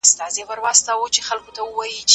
زما دردونه د دردونو ښوونځی غواړي